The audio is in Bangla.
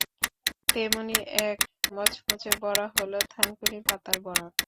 তেমনই এক মচমচে বড়া হলো থানকুনি পাতার বড়া।